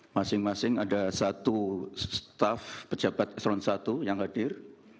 masing masing ada satu staff pejabat s satu yang hadir